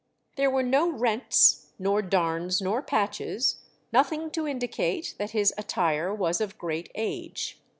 There were no rents, nor darns nor patches — nothing to indicate that his attire was of great age.